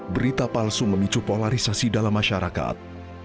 berita palsu memicu polarisasi dalam masyarakat